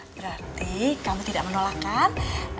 berarti kamu tidak menolakkan